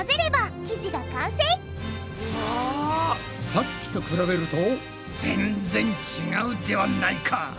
さっきと比べると全然違うではないか！